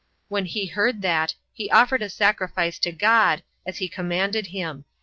When he heard that, he offered a sacrifice to God, as he commanded him.